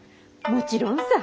もちろんさ。